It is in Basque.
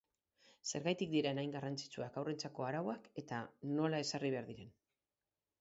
Zergatik diren hain garrantzitsuak haurrentzako arauak eta nola ezarri behar diren.